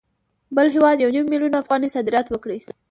بل هېواد یو نیم میلیون افغانۍ صادرات وکړي